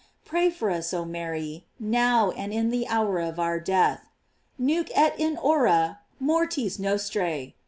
Pray for us, oh Mary. Now and in the hour of our death: "Nunc et in hora mortis nostrae."